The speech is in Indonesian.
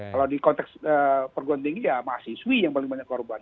kalau di konteks perguruan tinggi ya mahasiswi yang paling banyak korban